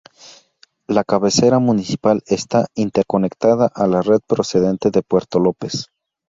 La cabecera municipal está interconectada a la red procedente de Puerto López.